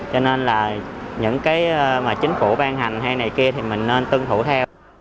cho nên là những cái mà chính phủ ban hành hay này kia thì mình nên tuân thủ theo